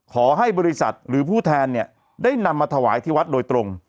ขอให้บริษัทหรือผู้แทนเนี่ยได้นำมาถวายที่วัดโดยตรง